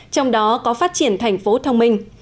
trong đó có phát triển thành phố thông minh